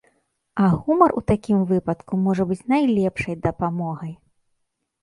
А гумар у такім выпадку можа быць найлепшай дапамогай.